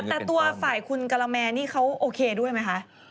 แต่ตัวฝ่ายคุณกะละแมนี่เขาโอเคด้วยไหมคะ